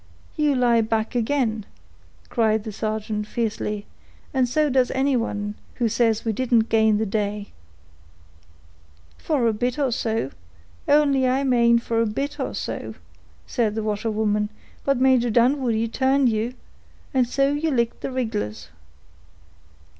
"You lie back again," cried the sergeant, fiercely; "and so does anyone who says that we didn't gain the day." "For a bit or so—only I mane for a bit or so," said the washerwoman; "but Major Dunwoodie turned you, and so you licked the rig'lars.